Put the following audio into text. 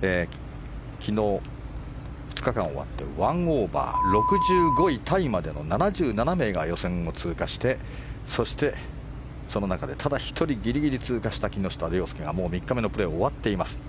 昨日、２日間終わって１オーバー、６５位タイまでの７７名が予選を通過してそして、その中でただ一人ギリギリ通過した木下稜介がもう３日目のプレーが終わっています。